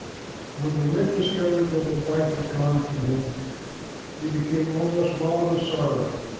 When the wind discovered that his wife was gone from him, he became almost wild with sorrow.